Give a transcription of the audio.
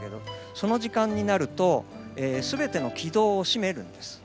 その時間になると全ての木戸を閉めるんです。